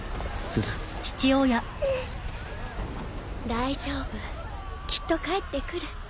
大丈夫きっと帰ってくる